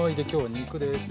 肉です。